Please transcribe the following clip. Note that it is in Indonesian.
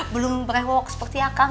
belum berewok seperti aku